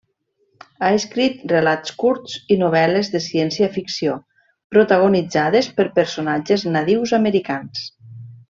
Ha escrit relats curts i novel·les de ciència-ficció protagonitzades per personatges nadius americans.